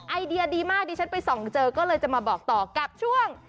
ไอเดียดีมากดิฉันไปส่องเจอก็เลยจะมาบอกต่อกับช่วง